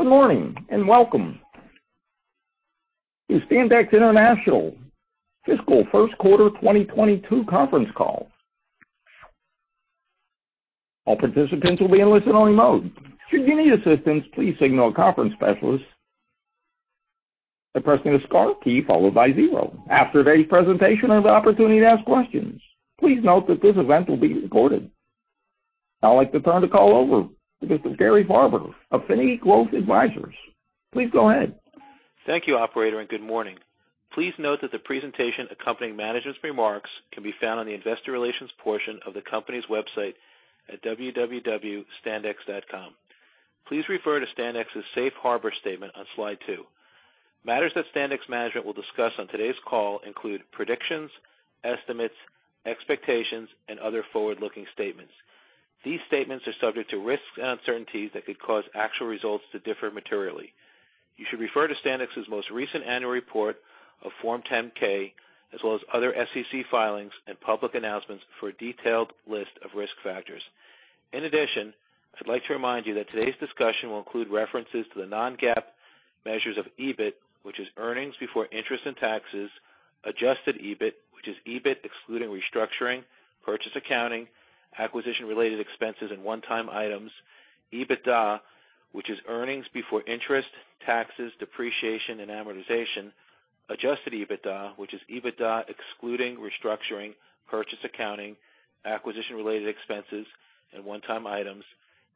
Good morning, and welcome to Standex International fiscal first quarter 2022 conference call. All participants will be in listen-only mode. Should you need assistance, please signal a conference specialist by pressing the star key followed by zero. After today's presentation, there's an opportunity to ask questions. Please note that this event will be recorded. I'd like to turn the call over to Mr. Gary Farber of Affinity Growth Advisors. Please go ahead. Thank you, operator, and good morning. Please note that the presentation accompanying management's remarks can be found on the investor relations portion of the company's website at www.standex.com. Please refer to Standex's Safe Harbor statement on slide two. Matters that Standex management will discuss on today's call include predictions, estimates, expectations, and other forward-looking statements. These statements are subject to risks and uncertainties that could cause actual results to differ materially. You should refer to Standex's most recent annual report on Form 10-K, as well as other SEC filings and public announcements for a detailed list of risk factors. In addition, I'd like to remind you that today's discussion will include references to the non-GAAP measures of EBIT, which is earnings before interest and taxes, adjusted EBIT, which is EBIT excluding restructuring, purchase accounting, acquisition-related expenses, and one-time items, EBITDA, which is earnings before interest, taxes, depreciation, and amortization, adjusted EBITDA, which is EBITDA excluding restructuring, purchase accounting, acquisition-related expenses, and one-time items,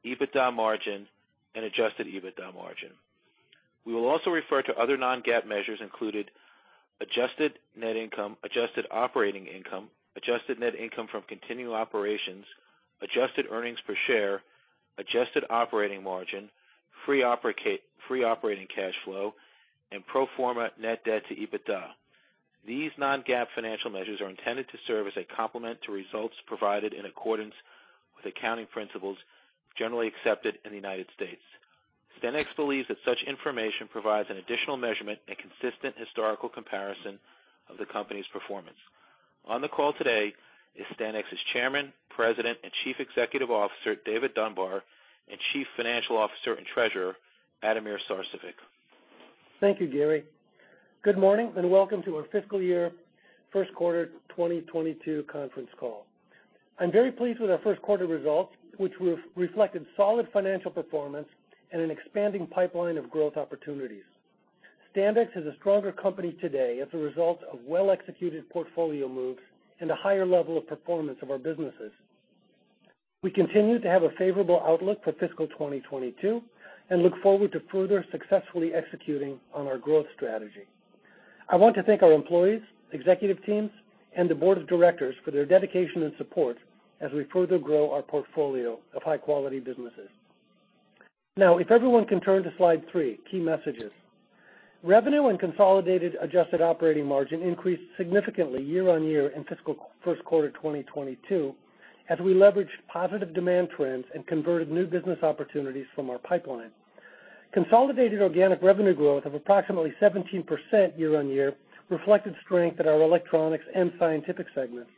EBITDA margin, and adjusted EBITDA margin. We will also refer to other non-GAAP measures, including adjusted net income, adjusted operating income, adjusted net income from continuing operations, adjusted earnings per share, adjusted operating margin, free operating cash flow, and pro forma net debt to EBITDA. These non-GAAP financial measures are intended to serve as a complement to results provided in accordance with accounting principles generally accepted in the United States. Standex believes that such information provides an additional measurement and consistent historical comparison of the company's performance. On the call today is Standex's Chairman, President, and Chief Executive Officer, David Dunbar, and Chief Financial Officer and Treasurer Ademir Sarcevic. Thank you, Gary. Good morning, and welcome to our fiscal year first quarter 2022 conference call. I'm very pleased with our first quarter results, which reflected solid financial performance and an expanding pipeline of growth opportunities. Standex is a stronger company today as a result of well-executed portfolio moves and a higher level of performance of our businesses. We continue to have a favorable outlook for fiscal 2022 and look forward to further successfully executing on our growth strategy. I want to thank our employees, executive teams, and the board of directors for their dedication and support as we further grow our portfolio of high-quality businesses. Now, if everyone can turn to slide 3, Key Messages. Revenue and consolidated adjusted operating margin increased significantly year-over-year in fiscal first quarter 2022, as we leveraged positive demand trends and converted new business opportunities from our pipeline. Consolidated organic revenue growth of approximately 17% year-on-year reflected strength at our Electronics and Scientific segments.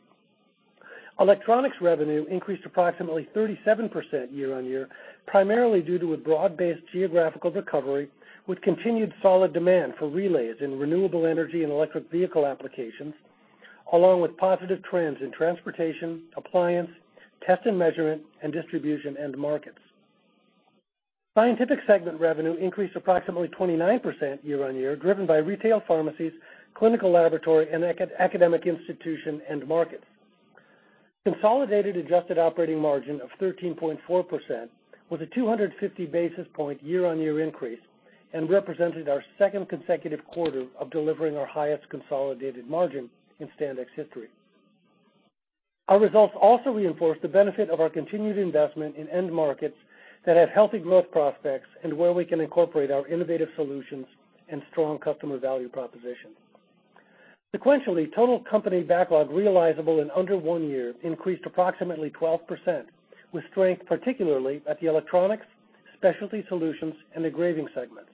Electronics revenue increased approximately 37% year-on-year, primarily due to a broad-based geographical recovery with continued solid demand for relays in renewable energy and electric vehicle applications, along with positive trends in transportation, appliance, test and measurement, and distribution end markets. Scientific segment revenue increased approximately 29% year-on-year, driven by retail pharmacies, clinical laboratory, and academic institution end markets. Consolidated adjusted operating margin of 13.4% was a 250 basis point year-on-year increase and represented our second consecutive quarter of delivering our highest consolidated margin in Standex history. Our results also reinforce the benefit of our continued investment in end markets that have healthy growth prospects and where we can incorporate our innovative solutions and strong customer value proposition. Sequentially, total company backlog realizable in under 1 year increased approximately 12%, with strength particularly at the Electronics, Specialty Solutions, and Engraving segments.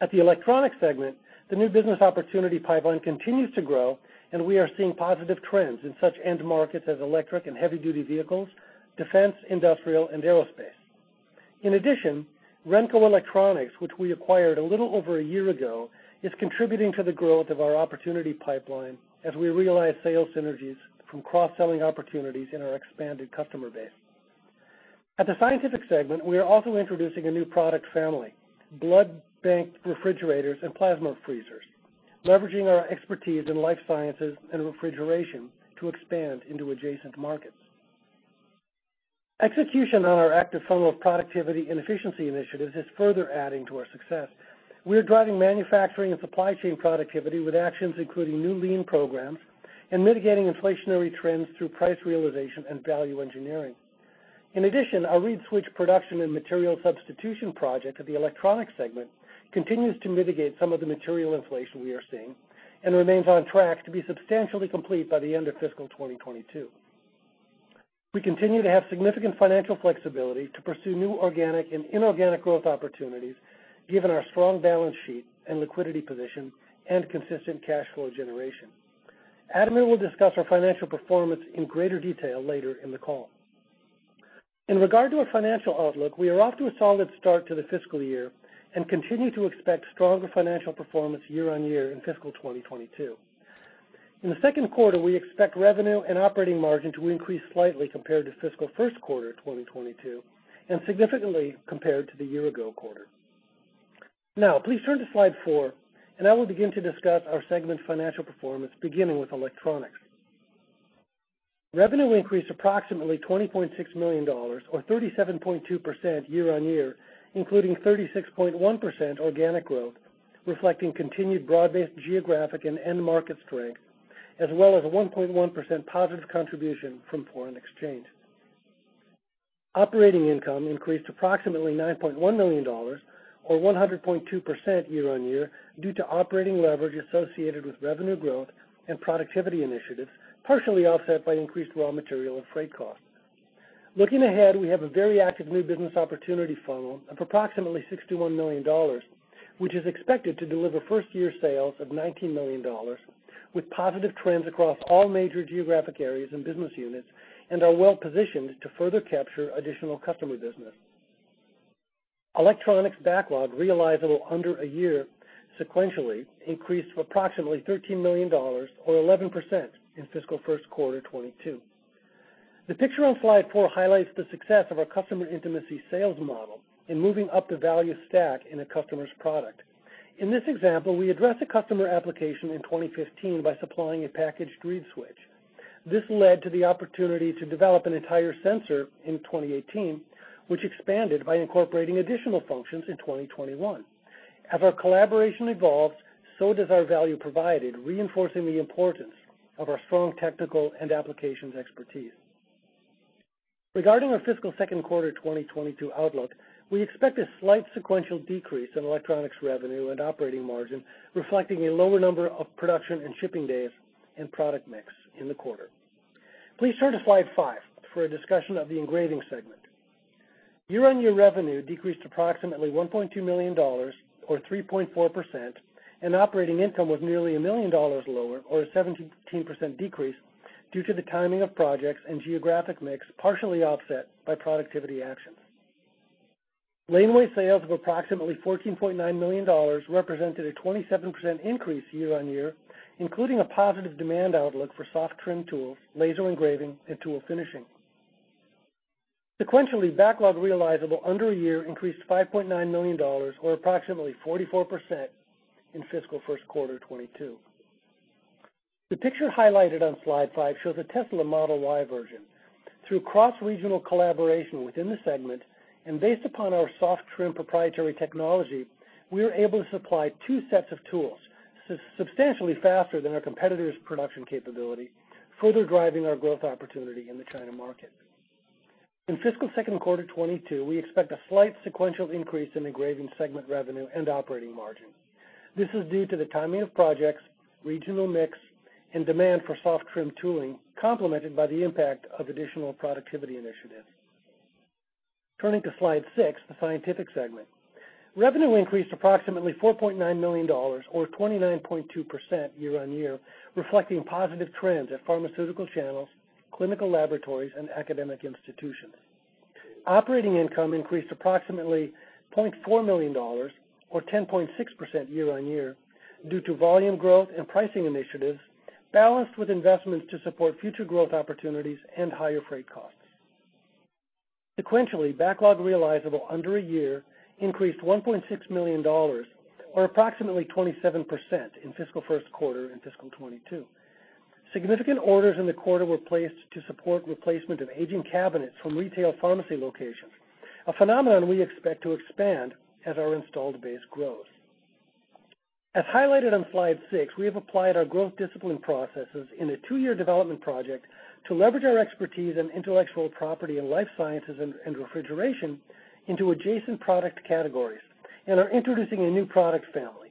At the Electronics segment, the new business opportunity pipeline continues to grow, and we are seeing positive trends in such end markets as electric and heavy duty vehicles, defense, industrial, and aerospace. In addition, Renco Electronics, which we acquired a little over a year ago, is contributing to the growth of our opportunity pipeline as we realize sales synergies from cross-selling opportunities in our expanded customer base. At the Scientific segment, we are also introducing a new product family, Blood Bank Refrigerators and Plasma Freezers, leveraging our expertise in life sciences and refrigeration to expand into adjacent markets. Execution on our active funnel of productivity and efficiency initiatives is further adding to our success. We are driving manufacturing and supply chain productivity with actions including new Lean programs and mitigating inflationary trends through price realization and value engineering. In addition, our reed switch production and material substitution project at the Electronics segment continues to mitigate some of the material inflation we are seeing and remains on track to be substantially complete by the end of fiscal 2022. We continue to have significant financial flexibility to pursue new organic and inorganic growth opportunities given our strong balance sheet and liquidity position and consistent cash flow generation. Ademir Sarcevic will discuss our financial performance in greater detail later in the call. In regard to our financial outlook, we are off to a solid start to the fiscal year and continue to expect stronger financial performance year-on-year in fiscal 2022. In the second quarter, we expect revenue and operating margin to increase slightly compared to fiscal first quarter 2022, and significantly compared to the year ago quarter. Now, please turn to slide 4, and I will begin to discuss our segment financial performance, beginning with Electronics. Revenue increased approximately $20.6 million or 37.2% year-on-year, including 36.1% organic growth, reflecting continued broad-based geographic and end market strength, as well as a 1.1% positive contribution from foreign exchange. Operating income increased approximately $9.1 million or 100.2% year-on-year due to operating leverage associated with revenue growth and productivity initiatives, partially offset by increased raw material and freight costs. Looking ahead, we have a very active new business opportunity funnel of approximately $61 million, which is expected to deliver first year sales of $19 million, with positive trends across all major geographic areas and business units, and are well-positioned to further capture additional customer business. Electronics backlog realizable under a year sequentially increased to approximately $13 million or 11% in fiscal first quarter 2022. The picture on slide 4 highlights the success of our customer intimacy sales model in moving up the value stack in a customer's product. In this example, we addressed the customer application in 2015 by supplying a packaged reed switch. This led to the opportunity to develop an entire sensor in 2018, which expanded by incorporating additional functions in 2021. As our collaboration evolves, so does our value provided, reinforcing the importance of our strong technical and applications expertise. Regarding our fiscal second quarter 2022 outlook, we expect a slight sequential decrease in Electronics revenue and operating margin, reflecting a lower number of production and shipping days and product mix in the quarter. Please turn to slide five for a discussion of the Engraving segment. Year-on-year revenue decreased approximately $1.2 million or 3.4%, and operating income was nearly $1 million lower, or a 17% decrease due to the timing of projects and geographic mix, partially offset by productivity actions. Engraving sales of approximately $14.9 million represented a 27% increase year-on-year, including a positive demand outlook for soft trim tooling, laser engraving, and tool finishing. Sequentially, backlog realizable under a year increased to $5.9 million or approximately 44% in fiscal first quarter 2022. The picture highlighted on slide 5 shows a Tesla Model Y version. Through cross-regional collaboration within the segment and based upon our Soft Trim proprietary technology, we are able to supply 2 sets of tools substantially faster than our competitors' production capability, further driving our growth opportunity in the China market. In fiscal second quarter 2022, we expect a slight sequential increase in Engraving segment revenue and operating margin. This is due to the timing of projects, regional mix, and demand for Soft Trim Tooling, complemented by the impact of additional productivity initiatives. Turning to slide 6, the Scientific segment. Revenue increased approximately $4.9 million or 29.2% year-on-year, reflecting positive trends at pharmaceutical channels, clinical laboratories, and academic institutions. Operating income increased approximately $0.4 million or 10.6% year-on-year due to volume growth and pricing initiatives balanced with investments to support future growth opportunities and higher freight costs. Sequentially, backlog realizable under a year increased $1.6 million or approximately 27% in fiscal first quarter in fiscal 2022. Significant orders in the quarter were placed to support replacement of aging cabinets from retail pharmacy locations, a phenomenon we expect to expand as our installed base grows. As highlighted on slide 6, we have applied our growth discipline processes in a two-year development project to leverage our expertise in intellectual property and life sciences and refrigeration into adjacent product categories and are introducing a new product family,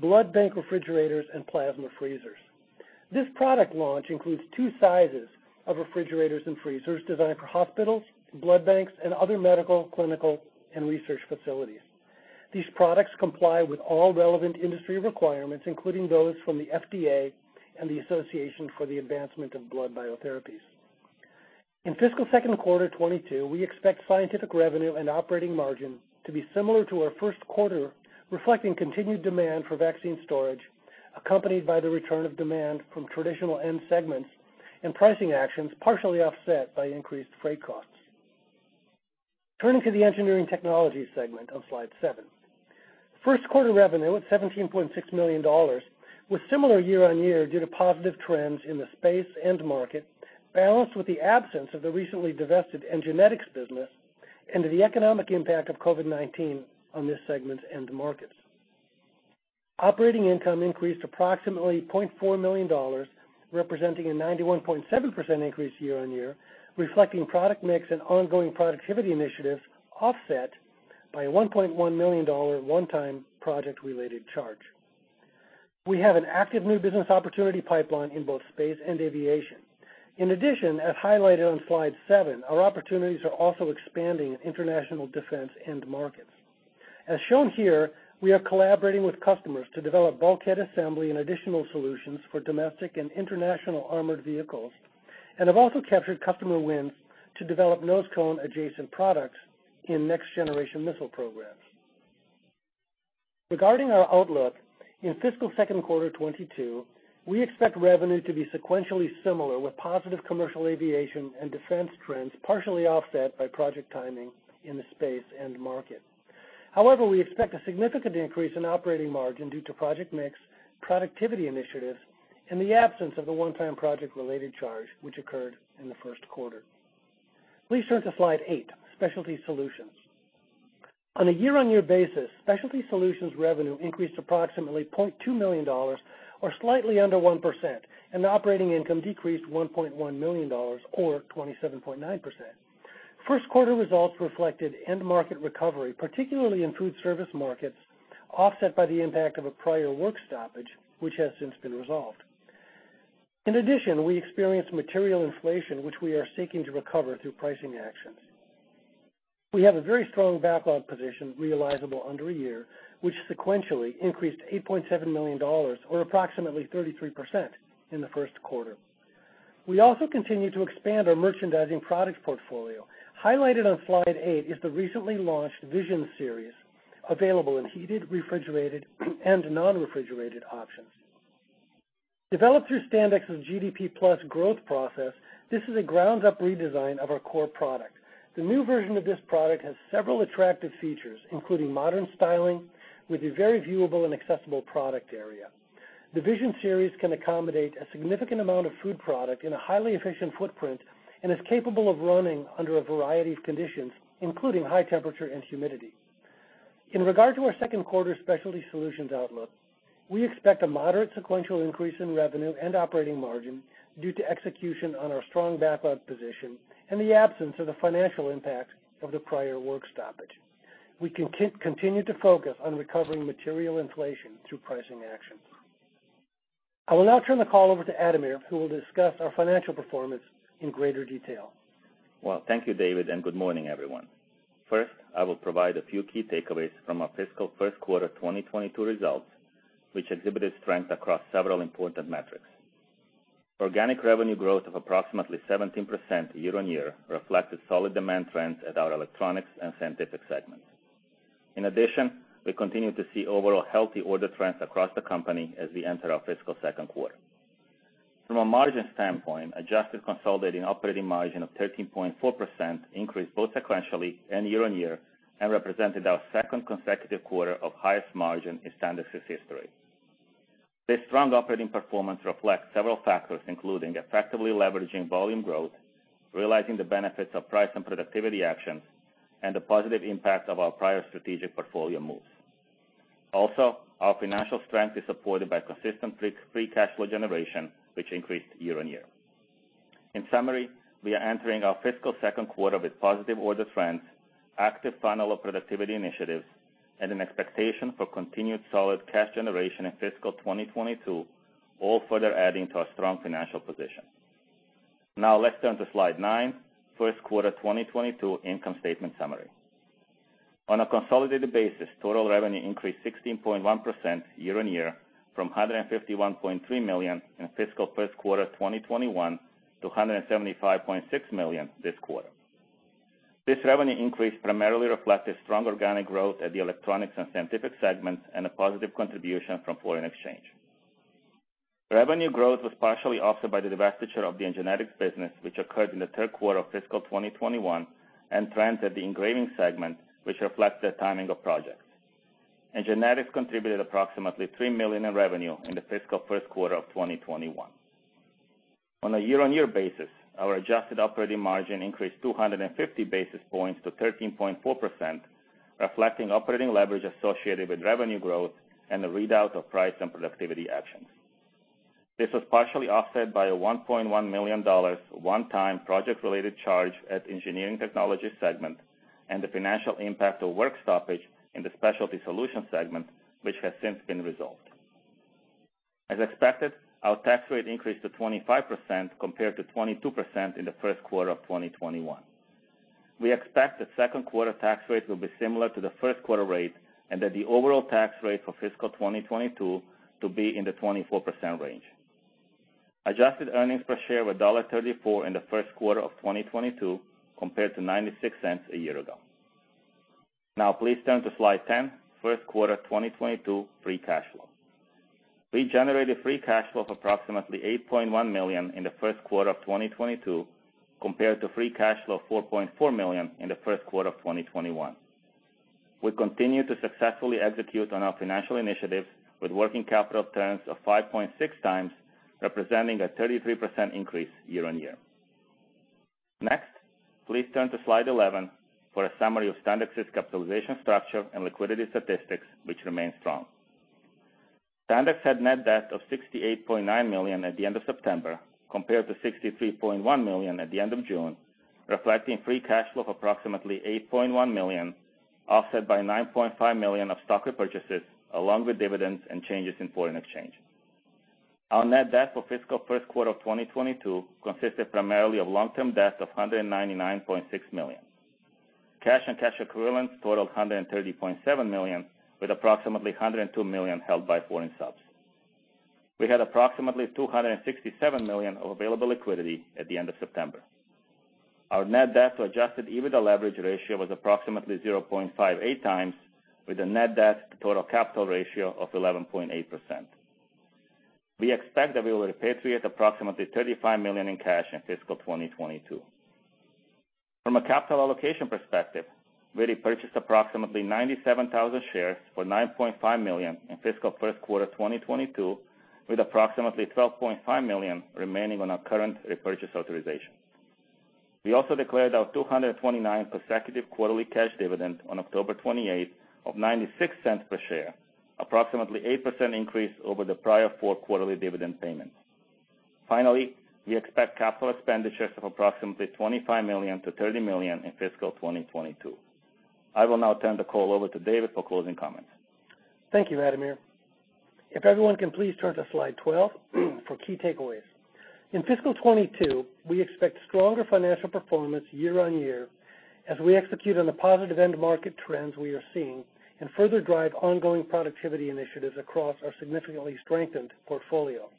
Blood Bank Refrigerators and Plasma Freezers. This product launch includes two sizes of refrigerators and freezers designed for hospitals, blood banks, and other medical, clinical, and research facilities. These products comply with all relevant industry requirements, including those from the FDA and the Association for the Advancement of Blood & Biotherapies. In fiscal second quarter 2022, we expect Scientific revenue and operating margin to be similar to our first quarter, reflecting continued demand for vaccine storage, accompanied by the return of demand from traditional end segments and pricing actions, partially offset by increased freight costs. Turning to the Engineering Technologies segment on slide 7. First quarter revenue of $17.6 million was similar year-on-year due to positive trends in the space end market, balanced with the absence of the recently divested Enginetics business and to the economic impact of COVID-19 on this segment end markets. Operating income increased approximately $0.4 million, representing a 91.7% increase year-on-year, reflecting product mix and ongoing productivity initiatives offset by a $1.1 million one-time project-related charge. We have an active new business opportunity pipeline in both space and aviation. In addition, as highlighted on slide 7, our opportunities are also expanding in international defense end markets. As shown here, we are collaborating with customers to develop bulkhead assembly and additional solutions for domestic and international armored vehicles, and have also captured customer wins to develop nose cone adjacent products in next generation missile programs. Regarding our outlook, in fiscal second quarter 2022, we expect revenue to be sequentially similar with positive commercial aviation and defense trends, partially offset by project timing in the space end market. However, we expect a significant increase in operating margin due to project mix, productivity initiatives, and the absence of the one-time project-related charge which occurred in the first quarter. Please turn to slide 8, Specialty Solutions. On a year-on-year basis, Specialty Solutions revenue increased approximately $0.2 million or slightly under 1%, and operating income decreased $1.1 million or 27.9%. First quarter results reflected end market recovery, particularly in food service markets, offset by the impact of a prior work stoppage, which has since been resolved. In addition, we experienced material inflation, which we are seeking to recover through pricing actions. We have a very strong backlog position realizable under a year, which sequentially increased $8.7 million or approximately 33% in the first quarter. We also continue to expand our merchandising product portfolio. Highlighted on slide eight is the recently launched Vision Series, available in heated, refrigerated, and non-refrigerated options. Developed through Standex's GDP+ growth process, this is a ground-up redesign of our core product. The new version of this product has several attractive features, including modern styling with a very viewable and accessible product area. The Vision Series can accommodate a significant amount of food product in a highly efficient footprint and is capable of running under a variety of conditions, including high temperature and humidity. In regard to our second quarter Specialty Solutions outlook, we expect a moderate sequential increase in revenue and operating margin due to execution on our strong backlog position and the absence of the financial impact of the prior work stoppage. We continue to focus on recovering material inflation through pricing actions. I will now turn the call over to Ademir, who will discuss our financial performance in greater detail. Well, thank you, David, and good morning, everyone. First, I will provide a few key takeaways from our fiscal first quarter 2022 results, which exhibited strength across several important metrics. Organic revenue growth of approximately 17% year-on-year reflected solid demand trends at our Electronics and Scientific segments. In addition, we continue to see overall healthy order trends across the company as we enter our fiscal second quarter. From a margin standpoint, adjusted consolidating operating margin of 13.4% increased both sequentially and year-on-year and represented our second consecutive quarter of highest margin in Standex's history. This strong operating performance reflects several factors, including effectively leveraging volume growth, realizing the benefits of price and productivity actions, and the positive impact of our prior strategic portfolio moves. Also, our financial strength is supported by consistent free cash flow generation, which increased year-on-year. In summary, we are entering our fiscal second quarter with positive order trends, active funnel of productivity initiatives, and an expectation for continued solid cash generation in fiscal 2022, all further adding to our strong financial position. Now let's turn to slide nine, first quarter 2022 income statement summary. On a consolidated basis, total revenue increased 16.1% year-on-year from $151.3 million in fiscal first quarter 2021 to $175.6 million this quarter. This revenue increase primarily reflected strong organic growth at the Electronics and Scientific segments and a positive contribution from foreign exchange. Revenue growth was partially offset by the divestiture of the Enginetics business, which occurred in the third quarter of fiscal 2021, and trends at the Engraving segment, which reflects the timing of projects. Enginetics contributed approximately $3 million in revenue in the fiscal first quarter of 2021. On a year-on-year basis, our adjusted operating margin increased 250 basis points to 13.4%, reflecting operating leverage associated with revenue growth and the realization of price and productivity actions. This was partially offset by a $1.1 million one-time project-related charge at Engineering Technologies segment and the financial impact of work stoppage in the Specialty Solutions segment, which has since been resolved. As expected, our tax rate increased to 25% compared to 22% in the first quarter of 2021. We expect the second quarter tax rate will be similar to the first quarter rate and that the overall tax rate for fiscal 2022 to be in the 24% range. Adjusted earnings per share were $0.34 in the first quarter of 2022 compared to $0.96 a year ago. Now please turn to slide 10, first quarter 2022 free cash flow. We generated free cash flow of approximately $8.1 million in the first quarter of 2022 compared to free cash flow of $4.4 million in the first quarter of 2021. We continue to successfully execute on our financial initiatives with working capital turns of 5.6 times, representing a 33% increase year-on-year. Next, please turn to slide 11 for a summary of Standex's capitalization structure and liquidity statistics, which remain strong. Standex had net debt of $68.9 million at the end of September, compared to $63.1 million at the end of June, reflecting free cash flow of approximately $8.1 million, offset by $9.5 million of stock repurchases along with dividends and changes in foreign exchange. Our net debt for fiscal first quarter of 2022 consisted primarily of long-term debt of $199.6 million. Cash and cash equivalents totaled $130.7 million, with approximately $102 million held by foreign subs. We had approximately $267 million of available liquidity at the end of September. Our net debt to adjusted EBITDA leverage ratio was approximately 0.58x, with a net debt to total capital ratio of 11.8%. We expect that we will repatriate approximately $35 million in cash in fiscal 2022. From a capital allocation perspective, we repurchased approximately 97,000 shares for $9.5 million in fiscal first quarter 2022, with approximately $12.5 million remaining on our current repurchase authorization. We also declared our 229 consecutive quarterly cash dividend on October 28 of $0.96 per share, approximately 8% increase over the prior four quarterly dividend payments. Finally, we expect capital expenditures of approximately $25 million-$30 million in fiscal 2022. I will now turn the call over to David for closing comments. Thank you, Ademir. If everyone can please turn to slide 12 for key takeaways. In fiscal 2022, we expect stronger financial performance year-on-year as we execute on the positive end market trends we are seeing and further drive ongoing productivity initiatives across our significantly strengthened portfolio.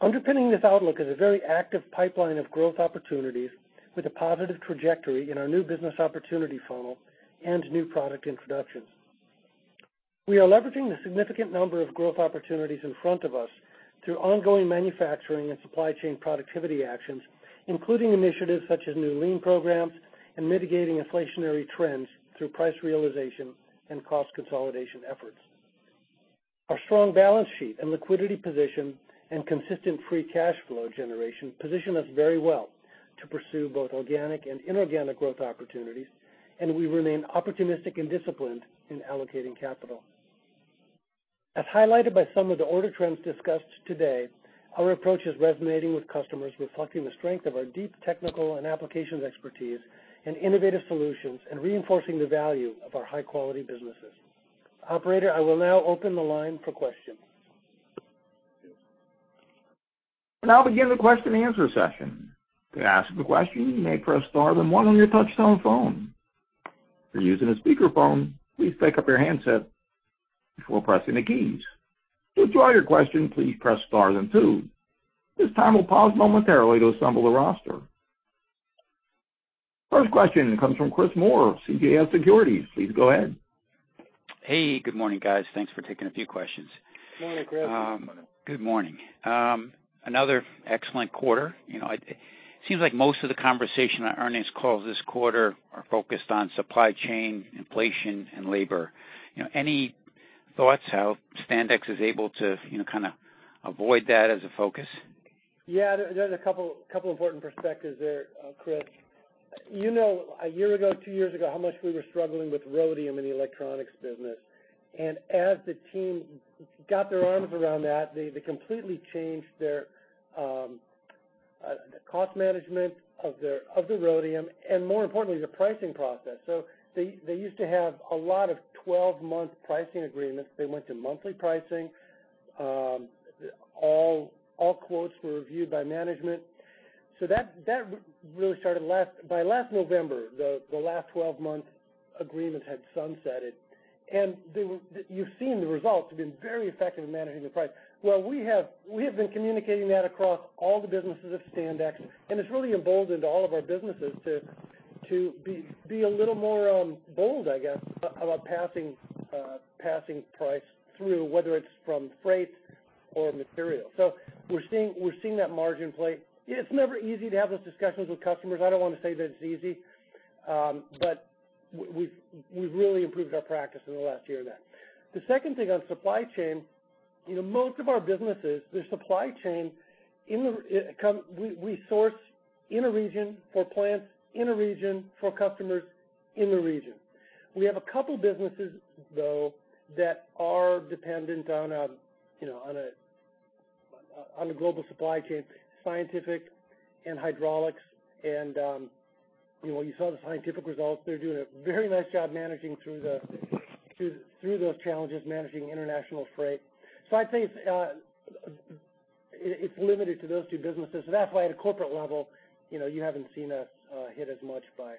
Underpinning this outlook is a very active pipeline of growth opportunities with a positive trajectory in our new business opportunity funnel and new product introductions. We are leveraging the significant number of growth opportunities in front of us through ongoing manufacturing and supply chain productivity actions, including initiatives such as new Lean programs and mitigating inflationary trends through price realization and cost consolidation efforts. Our strong balance sheet and liquidity position and consistent free cash flow generation position us very well to pursue both organic and inorganic growth opportunities, and we remain opportunistic and disciplined in allocating capital. As highlighted by some of the order trends discussed today, our approach is resonating with customers, reflecting the strength of our deep technical and applications expertise and innovative solutions and reinforcing the value of our high-quality businesses. Operator, I will now open the line for questions. We'll now begin the question-and-answer session. To ask a question, you may press star then one on your touchtone phone. If you're using a speakerphone, please pick up your handset before pressing the keys. To withdraw your question, please press star then two. This time will pause momentarily to assemble the roster. First question comes from Chris Moore, CJS Securities. Please go ahead. Hey, good morning, guys. Thanks for taking a few questions. Morning, Chris. Good morning. Good morning. Another excellent quarter. You know, it seems like most of the conversation on earnings calls this quarter are focused on supply chain, inflation and labor. You know, any thoughts how Standex is able to, you know, kind of avoid that as a focus? Yeah, there's a couple important perspectives there, Chris. You know, a year ago, two years ago, how much we were struggling with rhodium in the Electronics business. As the team got their arms around that, they completely changed their cost management of the rhodium and more importantly, the pricing process. They used to have a lot of 12-month pricing agreements. They went to monthly pricing. All quotes were reviewed by management. That really started by last November. The last 12-month agreement had sunsetted. You've seen the results. We've been very effective in managing the price. Well, we have been communicating that across all the businesses of Standex, and it's really emboldened all of our businesses to be a little more bold, I guess, about passing price through, whether it's from freight or material. So we're seeing that margin play. It's never easy to have those discussions with customers. I don't want to say that it's easy. We've really improved our practice in the last year there. The second thing on supply chain, you know, most of our businesses, their supply chain we source in a region for plants, in a region for customers in the region. We have a couple businesses, though, that are dependent on a, you know, on the global supply chain, Scientific and hydraulics. You know, you saw the Scientific results. They're doing a very nice job managing through those challenges, managing international freight. I'd say it's limited to those two businesses. That's why at a corporate level, you know, you haven't seen us hit as much by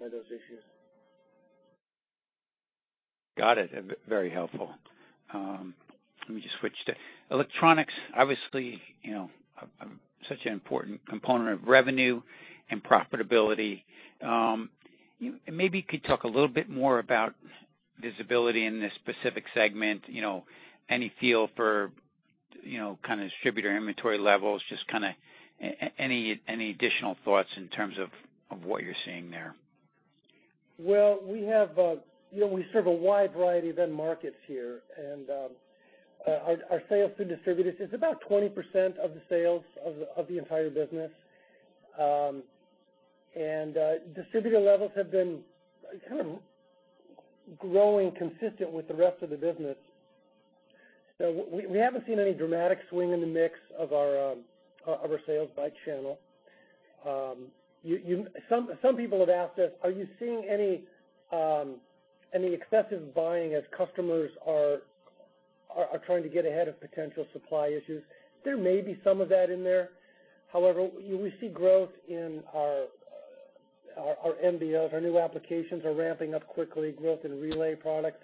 those issues. Got it. Very helpful. Let me just switch to Electronics. Obviously, you know, such an important component of revenue and profitability. Maybe you could talk a little bit more about visibility in this specific segment. You know, any feel for, you know, kind of distributor inventory levels, just kinda any additional thoughts in terms of what you're seeing there? Well, we have, you know, we serve a wide variety of end markets here. Our sales to distributors is about 20% of the sales of the entire business. Distributor levels have been kind of growing consistent with the rest of the business. We haven't seen any dramatic swing in the mix of our sales by channel. Some people have asked us, are you seeing any excessive buying as customers are trying to get ahead of potential supply issues? There may be some of that in there. However, we see growth in our NBOs. Our new applications are ramping up quickly, growth in relay products.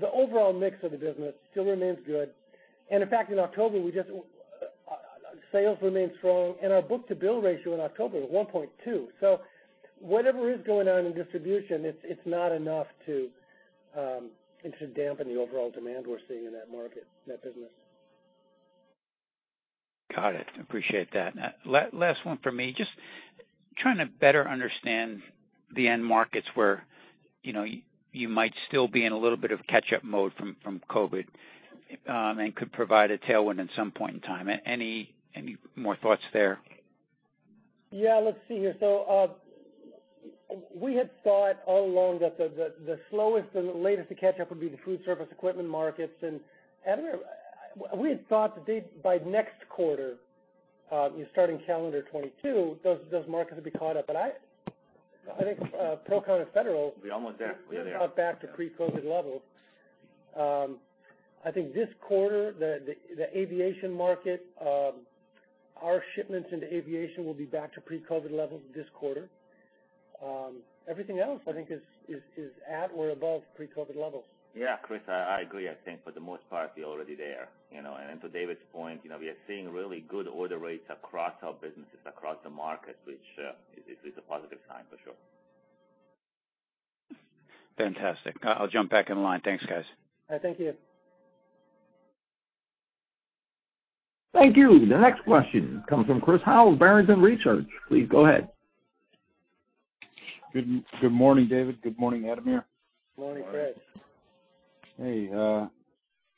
The overall mix of the business still remains good. In fact, in October, sales remained strong, and our book-to-bill ratio in October was 1.2. Whatever is going on in distribution, it's not enough to dampen the overall demand we're seeing in that market, in that business. Got it. Appreciate that. Last one from me. Just trying to better understand the end markets where, you know, you might still be in a little bit of catch-up mode from COVID, and could provide a tailwind at some point in time. Any more thoughts there? Yeah. Let's see here. We had thought all along that the slowest and the latest to catch up would be the food service equipment markets. Ademir, we had thought by next quarter, starting calendar 2022, those markets would be caught up. I think Procon and Federal. We're almost there. We're there. have got back to pre-COVID levels. I think this quarter, the aviation market, our shipments into aviation will be back to pre-COVID levels this quarter. Everything else I think is at or above pre-COVID levels. Yeah. Chris, I agree. I think for the most part they're already there, you know. To David's point, you know, we are seeing really good order rates across our businesses, across the market, which is a positive sign for sure. Fantastic. I'll jump back in line. Thanks, guys. All right. Thank you. Thank you. The next question comes from Gary Prestopino, Barrington Research. Please go ahead. Good morning, David. Good morning, Ademir. Good morning, Gary. Morning. Hey,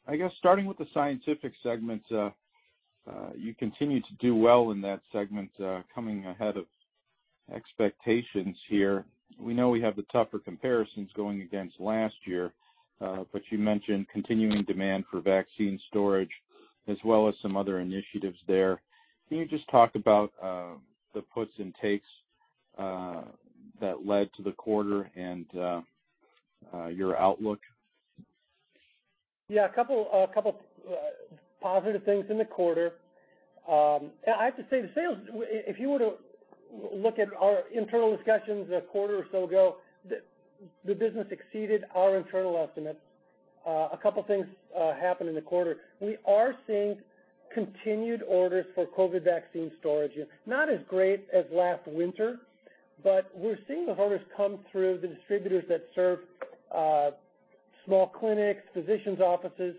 I guess starting with the Scientific segment, you continue to do well in that segment, coming ahead of expectations here. We know we have the tougher comparisons going against last year, but you mentioned continuing demand for vaccine storage as well as some other initiatives there. Can you just talk about the puts and takes that led to the quarter and your outlook? Yeah. A couple positive things in the quarter. I have to say the sales, if you were to look at our internal discussions a quarter or so ago, the business exceeded our internal estimates. A couple things happened in the quarter. We are seeing continued orders for COVID vaccine storage units, not as great as last winter, but we're seeing the orders come through the distributors that serve small clinics, physicians' offices.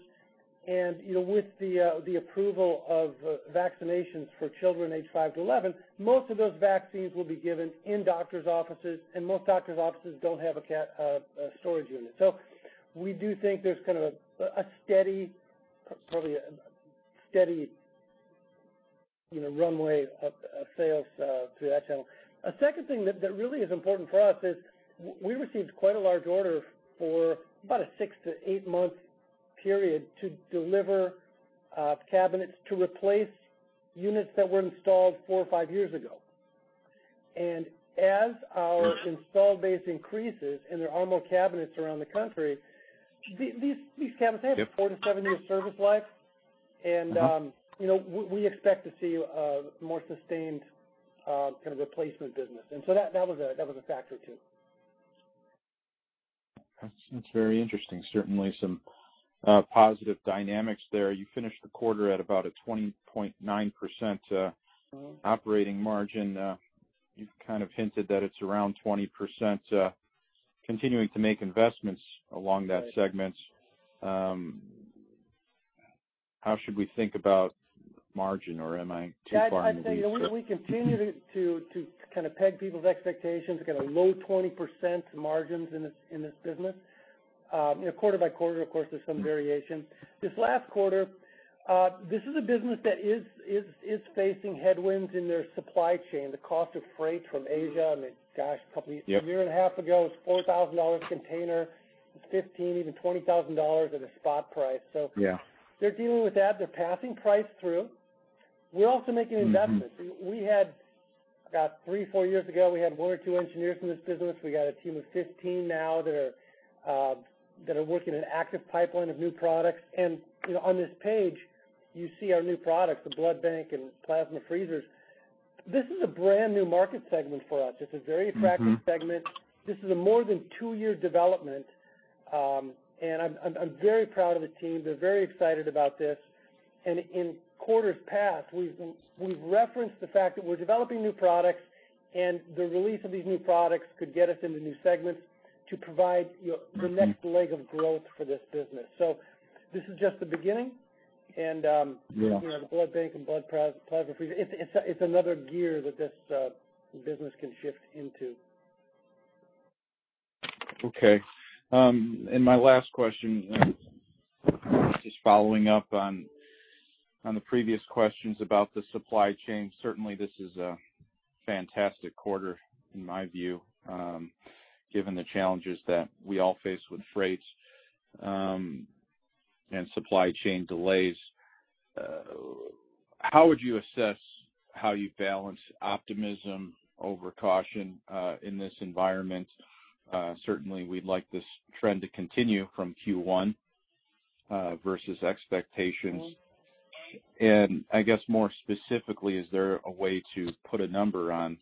You know, with the approval of vaccinations for children aged five to eleven, most of those vaccines will be given in doctor's offices, and most doctor's offices don't have a storage unit. We do think there's kind of a steady, probably a steady, you know, runway of sales through that channel. A second thing that really is important for us is we received quite a large order for about a 6- to 8-month period to deliver, cabinets to replace units that were installed 4 or 5 years ago. As our install base increases, and there are more cabinets around the country, these cabinets have a 4- to 7-year service life. Mm-hmm. You know, we expect to see a more sustained kind of replacement business. That was a factor too. That's very interesting. Certainly some positive dynamics there. You finished the quarter at about a 20.9% operating margin. You kind of hinted that it's around 20% continuing to make investments along that segment. How should we think about margin, or am I too early to- That I'd say, you know, we continue to kind of peg people's expectations at a low 20% margins in this business. You know, quarter by quarter, of course, there's some variation. This last quarter, this is a business that is facing headwinds in their supply chain, the cost of freight from Asia. I mean, gosh, a couple years- Yep A year and a half ago, it was $4,000 a container. It's $15,000, even $20,000 at a spot price. Yeah They're dealing with that. They're passing price through. We're also making investments. Mm-hmm. We had about three or four years ago, we had one or two engineers in this business. We got a team of 15 now that are working an active pipeline of new products. You know, on this page, you see our new products, the Blood Bank and Plasma Freezers. This is a brand-new market segment for us. It's a very attractive segment. Mm-hmm. This is a more than two-year development. I'm very proud of the team. They're very excited about this. In quarters past, we've referenced the fact that we're developing new products and the release of these new products could get us into new segments to provide, you know, the next leg of growth for this business. This is just the beginning. Yeah You know, the Blood Bank and Plasma Freezers, it's another gear that this business can shift into. Okay. My last question, just following up on the previous questions about the supply chain. Certainly this is a fantastic quarter in my view, given the challenges that we all face with freight and supply chain delays. How would you assess how you balance optimism over caution in this environment? Certainly we'd like this trend to continue from Q1 versus expectations. I guess more specifically, is there a way to put a number on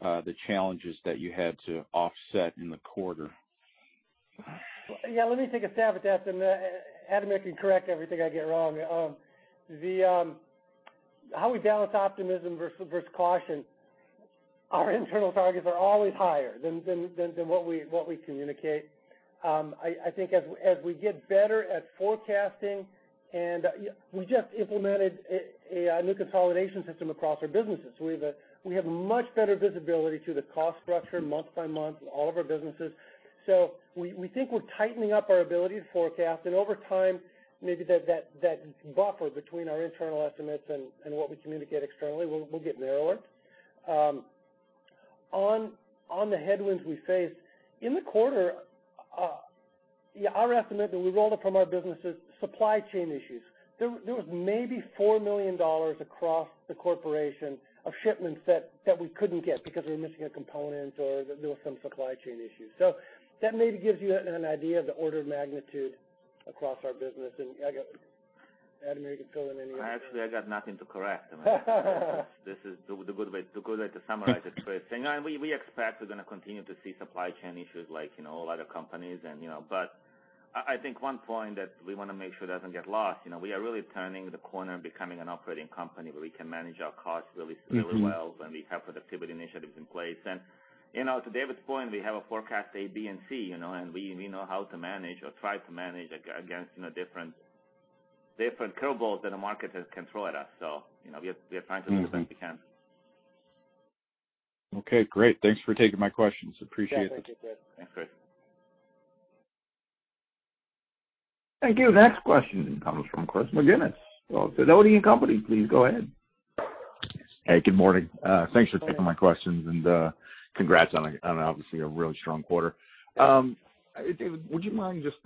the challenges that you had to offset in the quarter? Yeah, let me take a stab at that, and Ademir, you can correct everything I get wrong. How we balance optimism versus caution, our internal targets are always higher than what we communicate. I think as we get better at forecasting and we just implemented a new consolidation system across our businesses. We have much better visibility to the cost structure month by month in all of our businesses. So we think we're tightening up our ability to forecast. Over time, maybe that buffer between our internal estimates and what we communicate externally will get narrower. On the headwinds we faced in the quarter, yeah, our estimate that we rolled up from our businesses, supply chain issues. There was maybe $4 million across the corporation of shipments that we couldn't get because we were missing a component or there was some supply chain issue. That maybe gives you an idea of the order of magnitude across our business. Adam, you can fill in any- I actually got nothing to correct. This is the good way to summarize it, Chris. We expect we're gonna continue to see supply chain issues like, you know, a lot of companies and, you know. I think one point that we wanna make sure doesn't get lost, you know, we are really turning the corner and becoming an operating company where we can manage our costs really, really well. Mm-hmm. When we have productivity initiatives in place. You know, to David's point, we have a forecast A, B and C, you know, and we know how to manage or try to manage against, you know, different curveballs that the market has thrown at us. You know, we are trying to do the best we can. Okay, great. Thanks for taking my questions. Appreciate it. Yeah. Thank you, Gary. Thank you. Next question comes from Chris McGinnis of Sidoti & Company. Please go ahead. Hey, good morning. Thanks for taking my questions. Congrats on obviously a really strong quarter. David, would you mind just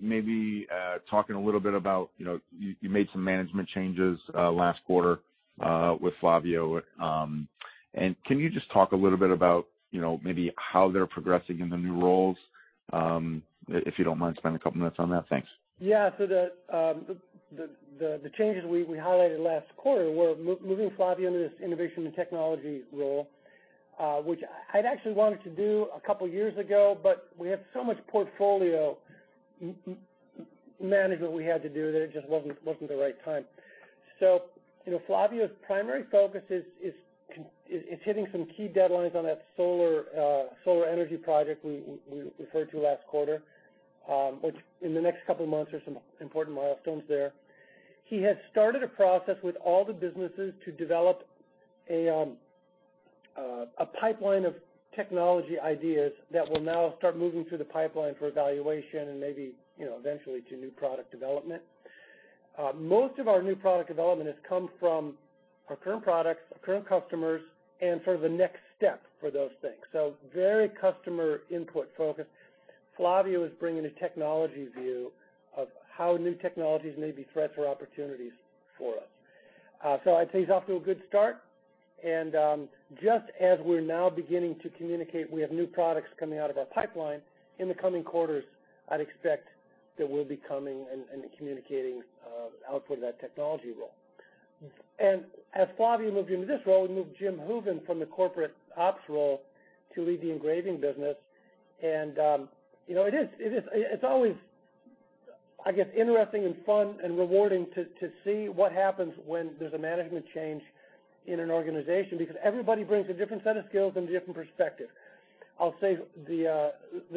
maybe talking a little bit about you made some management changes last quarter with Flavio. Can you just talk a little bit about maybe how they're progressing in the new roles, if you don't mind spending a couple minutes on that? Thanks. The changes we highlighted last quarter were moving Flavio into this innovation and technology role, which I'd actually wanted to do a couple years ago, but we had so much portfolio management we had to do that it just wasn't the right time. You know, Flavio's primary focus is hitting some key deadlines on that solar energy project we referred to last quarter, which in the next couple of months, there's some important milestones there. He has started a process with all the businesses to develop a pipeline of technology ideas that will now start moving through the pipeline for evaluation and maybe, you know, eventually to new product development. Most of our new product development has come from our current products, our current customers and sort of the next step for those things. Very customer input focused. Flavio is bringing a technology view of how new technologies may be threats or opportunities for us. I'd say he's off to a good start. Just as we're now beginning to communicate, we have new products coming out of our pipeline. In the coming quarters, I'd expect that we'll be coming and communicating output of that technology role. As Flavio moved into this role, we moved Jim Hooven from the corporate ops role to lead the Engraving business. It is. It's always, I guess, interesting and fun and rewarding to see what happens when there's a management change in an organization because everybody brings a different set of skills and a different perspective. I'll say the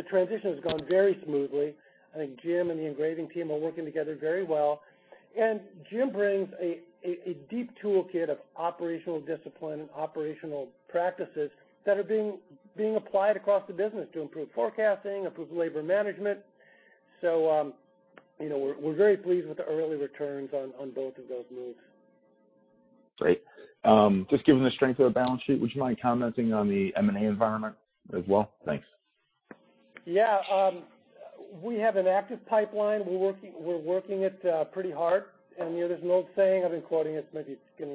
transition has gone very smoothly. I think Jim and the Engraving team are working together very well. Jim brings a deep toolkit of operational discipline and operational practices that are being applied across the business to improve forecasting, improve labor management. You know, we're very pleased with the early returns on both of those moves. Great. Just given the strength of the balance sheet, would you mind commenting on the M&A environment as well? Thanks. Yeah. We have an active pipeline. We're working it pretty hard. You know, there's an old saying. I've been quoting this, maybe it's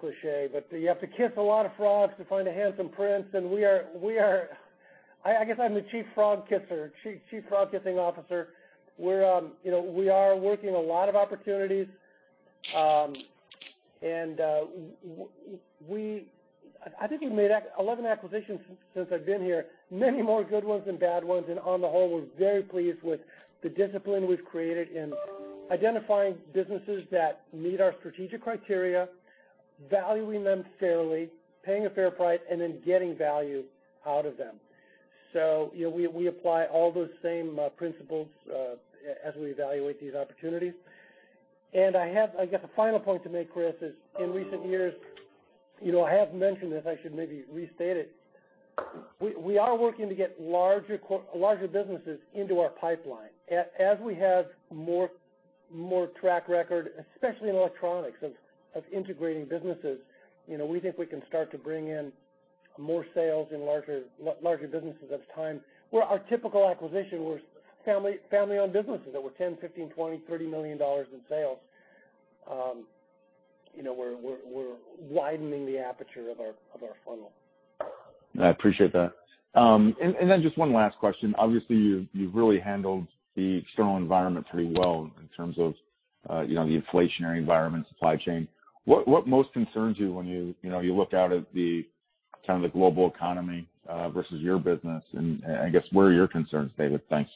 getting cliché, but you have to kiss a lot of frogs to find a handsome prince. We are. I guess I'm the chief frog kisser, chief frog kissing officer. We're working a lot of opportunities. We think we've made 11 acquisitions since I've been here. Many more good ones than bad ones. On the whole, we're very pleased with the discipline we've created in identifying businesses that meet our strategic criteria, valuing them fairly, paying a fair price, and then getting value out of them. You know, we apply all those same principles as we evaluate these opportunities. I have, I guess, a final point to make, Chris. Is in recent years, you know, I have mentioned this, I should maybe restate it. We are working to get larger businesses into our pipeline. As we have more track record, especially in Electronics, of integrating businesses, you know, we think we can start to bring in more sales in larger businesses at the time. Well, our typical acquisition was family-owned businesses that were $10 million, $15 million, $20 million, $30 million in sales. You know, we're widening the aperture of our funnel. I appreciate that. Just one last question. Obviously, you've really handled the external environment pretty well in terms of, you know, the inflationary environment, supply chain. What most concerns you when you know you look out at the kind of global economy versus your business? I guess, where are your concerns, David? Thanks.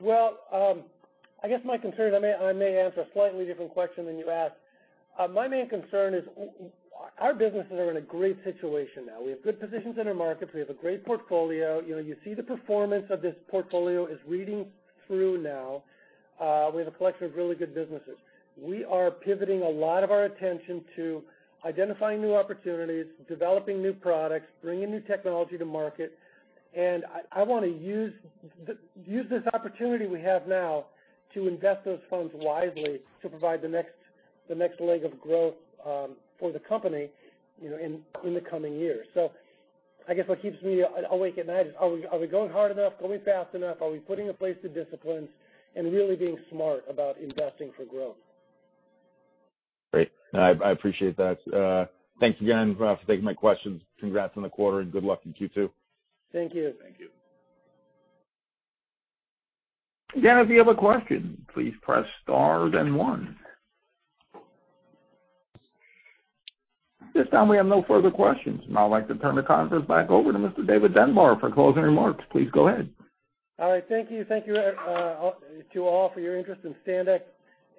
I guess my concern. I may answer a slightly different question than you asked. My main concern is our businesses are in a great situation now. We have good positions in our markets. We have a great portfolio. You know, you see the performance of this portfolio is reading through now. We have a collection of really good businesses. We are pivoting a lot of our attention to identifying new opportunities, developing new products, bringing new technology to market. I wanna use this opportunity we have now to invest those funds wisely to provide the next leg of growth for the company, you know, in the coming years. I guess what keeps me awake at night is, are we going hard enough? Are we going fast enough? Are we putting in place the disciplines and really being smart about investing for growth? Great. I appreciate that. Thanks again for taking my questions. Congrats on the quarter, and good luck in Q2. Thank you. Thank you. Again, if you have a question, please press star then one. At this time, we have no further questions. I'd like to turn the conference back over to Mr. David Dunbar for closing remarks. Please go ahead. All right. Thank you. Thank you to all for your interest in Standex.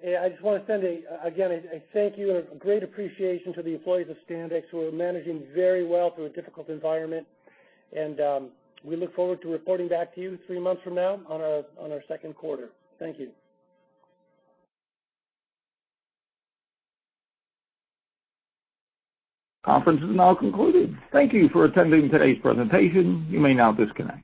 I just wanna send a, again, a thank you and a great appreciation to the employees of Standex who are managing very well through a difficult environment. We look forward to reporting back to you three months from now on our second quarter. Thank you. Conference is now concluded. Thank you for attending today's presentation. You may now disconnect.